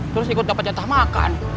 terus ikut dapat jatah makan